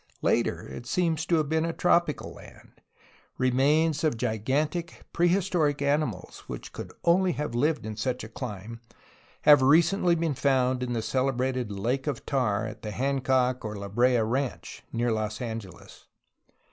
Later it seems to have been a tropical land; remains of gigantic pre historic animals which could have lived only in such a clime have recently been found in the celebrated lake of tar at the Hancock, or La Brea, Ranch near Los Angeles.